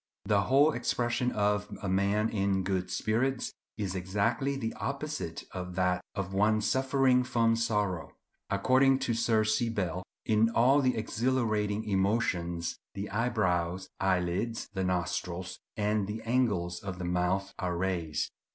The whole expression of a man in good spirits is exactly the opposite of that of one suffering from sorrow. According to Sir C. Bell, "In all the exhilarating emotions the eyebrows, eyelids, the nostrils, and the angles of the mouth are raised.